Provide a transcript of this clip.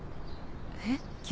えっ？